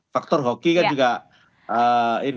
faktor hoki kan juga ini